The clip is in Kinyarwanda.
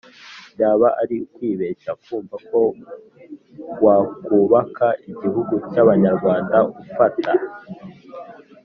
Byaba ari ukwibeshya kumva ko wakubaka igihugu cy'abanyarwanda ufata